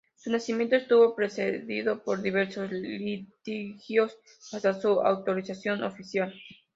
Su nacimiento estuvo precedido por diversos litigios hasta su autorización oficial.